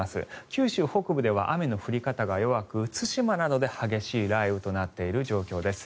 九州北部では雨の降り方が弱く対馬などで激しい雷雨となっている状況です。